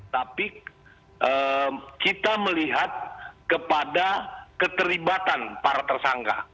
tapi kita melihat kepada keterlibatan para tersangka